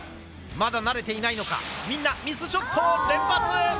まだ慣れていないのか、みんな、ミスショットを連発。